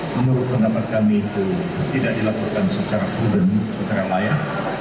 menurut pendapat kami itu tidak dilakukan secara prudent secara layak